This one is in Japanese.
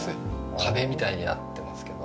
壁みたいになってますけど。